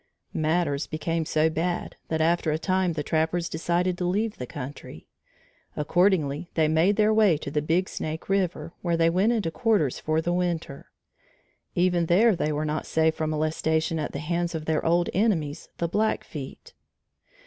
Matters became so bad that after a time the trappers decided to leave the country. Accordingly they made their way to the Big Snake River where they went into quarters for the winter. Even there they were not safe from molestation at the hands of their old enemies the Blackfeet.